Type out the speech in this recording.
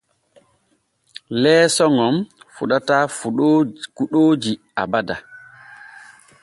Leeso ŋon fuɗataa kuɗooji abada.